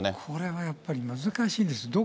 これはやっぱり難しいです。